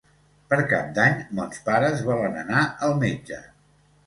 Per Cap d'Any mons pares volen anar al metge.